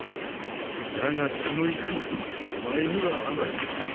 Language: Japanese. だがその怒りお前には余る。